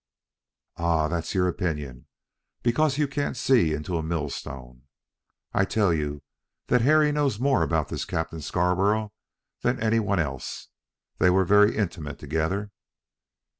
"Ah, that's your opinion because you can't see into a millstone. I tell you that Harry knows more about this Captain Scarborough than any one else. They were very intimate together."